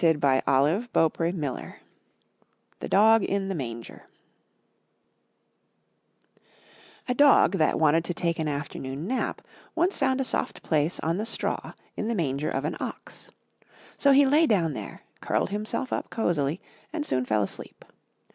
156 I N THE NURSERY THE DOG IN THE MANGER Adapted from Aesop A Dog that wanted to take an afternoon nap, once found a soft place on the straw in the manger of an Ox. So he lay down there, curled himself up cosily, and soon fell asleep.